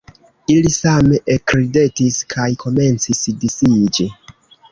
Ili same ekridetis kaj komencis disiĝi.